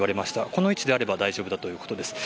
この位置であれば大丈夫だということです。